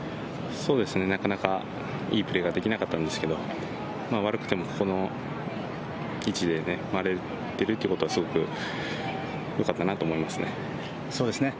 かなかいいプレーができなかったんですけれども、悪くても、ここの位置で回れているということはすごくよかったなと思いますね。